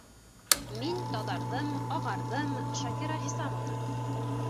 Мин таҙарҙым, ағарҙым, Шакира Хисамовна!